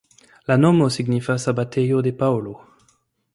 La nomo signifas abatejo de Paŭlo.